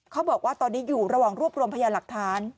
เขาบอกว่าตอนนี้อยู่ระหว่างรวบรวมพยานหลักฐาน